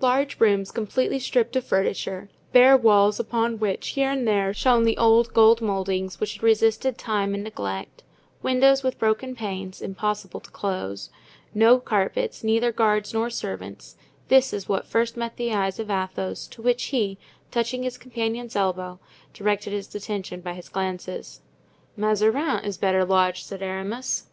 Large rooms, completely stripped of furniture, bare walls upon which, here and there, shone the old gold moldings which had resisted time and neglect, windows with broken panes (impossible to close), no carpets, neither guards nor servants: this is what first met the eyes of Athos, to which he, touching his companion's elbow, directed his attention by his glances. "Mazarin is better lodged," said Aramis.